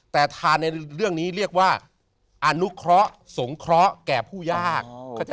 แต่ทานในเรื่องนี้เรียกว่าอนุเคราะห์สงเคราะห์แก่ผู้ยาก